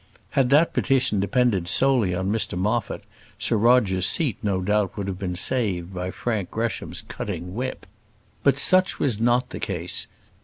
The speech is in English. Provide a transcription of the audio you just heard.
Had that petition depended solely on Mr Moffat, Sir Roger's seat no doubt would have been saved by Frank Gresham's cutting whip. But such was not the case.